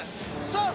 さあ